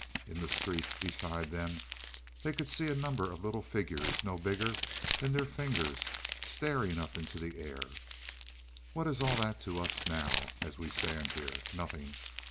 In the street beside them they could see a number of little figures no bigger than their fingers, staring up into the air. "What is all that to us now, as we stand here. Nothing.